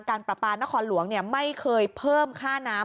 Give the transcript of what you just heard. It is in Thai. ประปานครหลวงไม่เคยเพิ่มค่าน้ำ